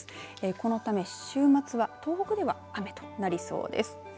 このため週末は東北では雨となりそうです。